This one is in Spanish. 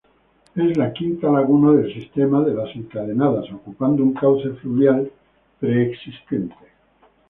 Es la quinta laguna del sistema de las Encadenadas, ocupando un cauce fluvial preexistente.